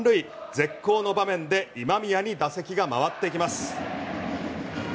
絶好の場面で今宮に打席が回ってきます。